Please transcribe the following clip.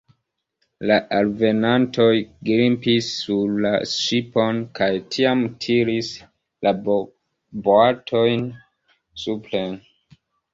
La alvenantoj grimpis sur la ŝipon kaj tiam tiris la boatojn supren.